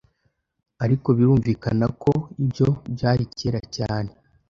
Ariko birumvikana ko ibyo byari kera cyane. .